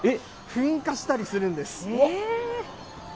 噴火したりするんです。